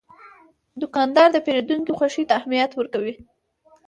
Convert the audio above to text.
دوکاندار د پیرودونکي خوښي ته اهمیت ورکوي.